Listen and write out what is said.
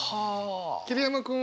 桐山君は？